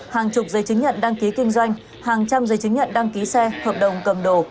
hàng chục giấy chứng nhận đăng ký kinh doanh hàng trăm giấy chứng nhận đăng ký xe hợp đồng cầm đồ